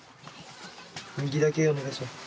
右だけお願いします。